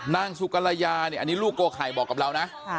นางสุกรยาเนี่ยอันนี้ลูกโกไข่บอกกับเรานะ